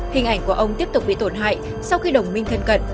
hình ảnh của ông tiếp tục bị tổn hại sau khi đồng minh thân cận